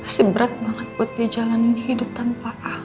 pasti berat banget buat dia jalanin hidup tanpa al